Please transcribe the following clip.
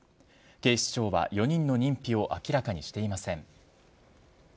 警視庁は４人の認否を明らかにしていません。